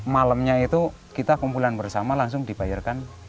malamnya itu kita kumpulan bersama langsung dibayarkan